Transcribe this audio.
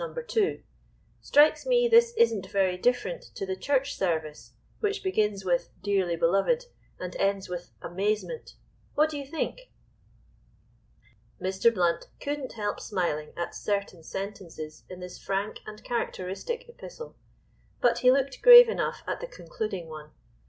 2.—Strikes me this isn't very different to the Church Service, which begins with 'Dearly beloved,' and ends with 'amazement.' What do you think?" Mr. Blount couldn't help smiling at certain sentences in this frank and characteristic epistle. But he looked grave enough at the concluding one.